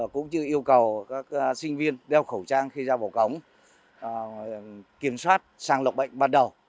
cũng như yêu cầu các sinh viên đeo khẩu trang khi ra bầu cống kiểm soát sàng lọc bệnh ban đầu